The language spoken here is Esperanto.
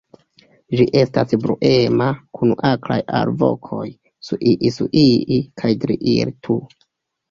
Ĝi estas bruema, kun akraj alvokoj "sŭii-sŭii" kaj "driii-tu".